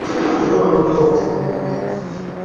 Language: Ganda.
Leero baluddewo okufumba emmere.